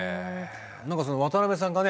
何かその渡辺さんがね